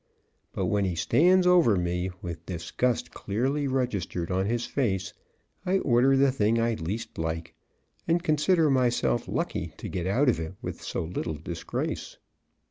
But when he stands over me, with disgust clearly registered on his face, I order the thing I like least and consider myself lucky to get out of it with so little disgrace.